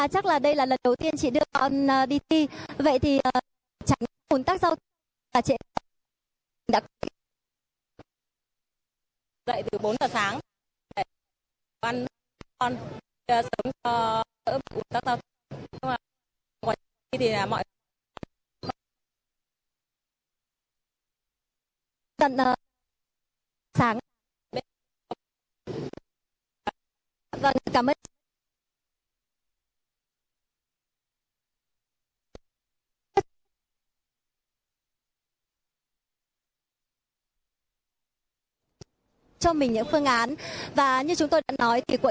chú ơi chú tử đầu